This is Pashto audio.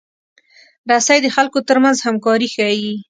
رسۍ د خلکو ترمنځ همکاري ښيي.